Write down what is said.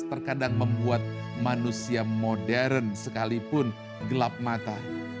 terkadang membuat manusia modern sekalipun gelap mata